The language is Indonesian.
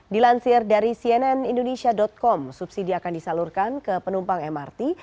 dilansir dari cnn indonesia com subsidi akan disalurkan ke penumpang mrt